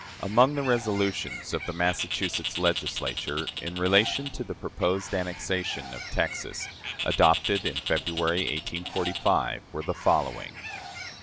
Among the resolutions of the Massachusetts Legislature, in relation to the proposed annexation of Texas, adopted in February, 1845, were the following: "2.